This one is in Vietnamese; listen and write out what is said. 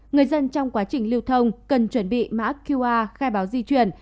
người dân trong quá trình lưu thông cần chuẩn bị mã qr khai báo di chuyển